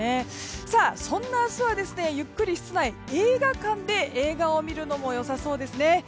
そんな明日はゆっくり室内、映画館で映画を見るのもよさそうですね。